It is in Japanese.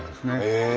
へえ。